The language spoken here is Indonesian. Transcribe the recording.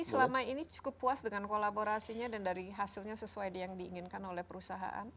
tapi selama ini cukup puas dengan kolaborasinya dan dari hasilnya sesuai dengan yang diinginkan oleh perusahaan